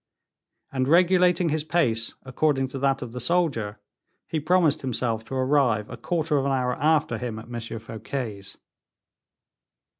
And, regulating his pace according to that of the soldier, he promised himself to arrive a quarter of an hour after him at M. Fouquet's.